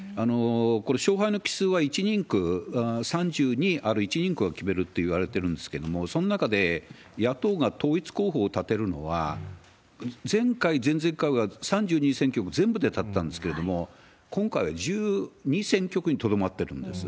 これ、勝敗のきすうは３２ある１人区が決めるっていわれてるんですけれども、その中で野党が統一候補を立てるのは、前回、前々回が３２選挙区全部で立てたんですけれども、今回は１２選挙区にとどまってるんです。